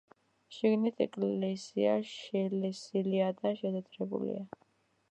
შიგნით ეკლესია შელესილია და შეთეთრებულია.